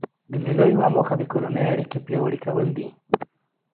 د مېلو یوه موخه د کورنۍ اړیکي پیاوړي کول دي.